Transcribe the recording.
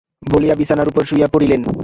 বলিয়া বিছানার উপর শুইয়া পড়িলেন।